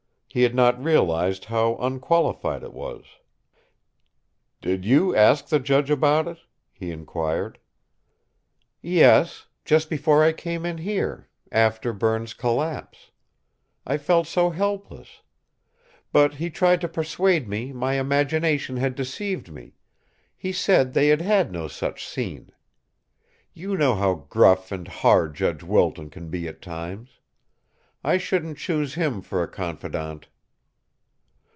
He had not realized how unqualified it was. "Did you ask the judge about it?" he inquired. "Yes; just before I came in here after Berne's collapse. I felt so helpless! But he tried to persuade me my imagination had deceived me; he said they had had no such scene. You know how gruff and hard Judge Wilton can be at times. I shouldn't choose him for a confidant."